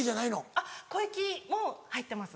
あっ小雪も入ってます。